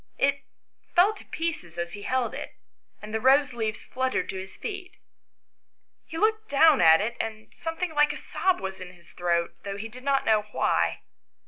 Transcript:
It fell to pieces as he held it, and the rose leaves fluttered to his feet. He looked down XL] THE STORY OF WILLIE AND FANCY. 119 at it, and something like a sob was in his throat, though he did not know why.